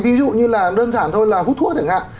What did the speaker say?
ví dụ như là đơn giản thôi là hút thuốc chẳng hạn